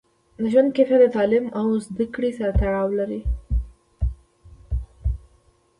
د ژوند کیفیت د تعلیم او زده کړې سره تړاو لري.